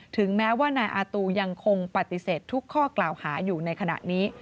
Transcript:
ถึงแม้ว่านายอาตูยังคงปฏิเสธทุกข้อกล่าวหาอยู่ในขณะนี้